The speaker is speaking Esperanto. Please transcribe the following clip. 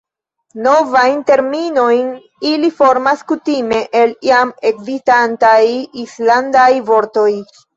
Novajn terminojn ili formas kutime el jam ekzistantaj islandaj vortoj.